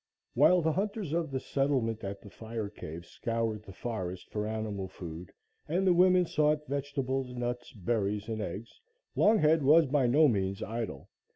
While the hunters of the settlement at the fire cave scoured the forest for animal food, and the women sought vegetables, nuts, berries and eggs, Longhead was by no means idle.